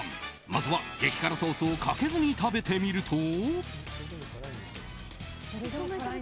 まずは激辛ソースをかけずに食べてみると。